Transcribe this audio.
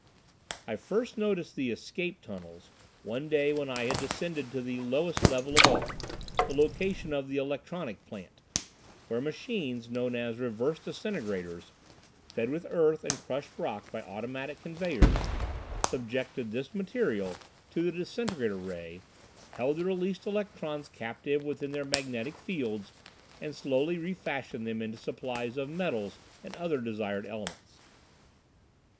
I first noticed the "escape tunnels" one day when I had descended to the lowest level of all, the location of the Electronic Plant, where machines, known as "reverse disintegrators," fed with earth and crushed rock by automatic conveyors, subjected this material to the disintegrator ray, held the released electrons captive within their magnetic fields and slowly refashioned them into supplies of metals and other desired elements.